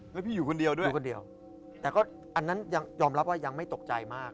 แล้วพี่อยู่คนเดียวด้วยอยู่คนเดียวแต่ก็อันนั้นยังยอมรับว่ายังไม่ตกใจมาก